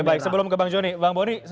baik sebelum ke bang joni bang boni